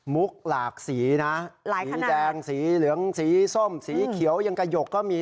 หลากสีนะสีแดงสีเหลืองสีส้มสีเขียวยังกระหยกก็มี